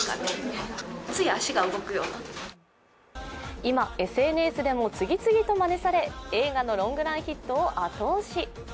今、ＳＮＳでも次々とまねされ映画のロングランヒットを後押し。